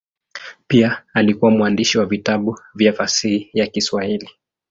Pia alikuwa mwandishi wa vitabu vya fasihi ya Kiswahili.